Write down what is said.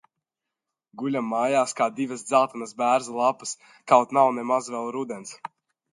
Guļam mājās kā divas dzeltenas bērza lapas, kaut nav nemaz vēl rudens.